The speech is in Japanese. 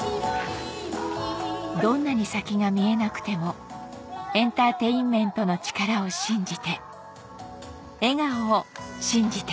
どんなに先が見えなくてもエンターテインメントの力を信じて笑顔を信じて